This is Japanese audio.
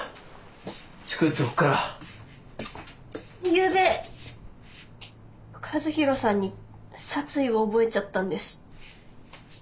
ゆうべ和弘さんに殺意を覚えちゃったんです。